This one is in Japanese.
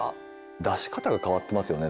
出し方が変わってますよね